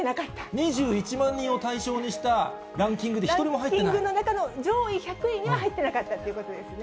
２１万人を対象にしたランキランキングの中の上位１００位の中には入ってなかったということですね。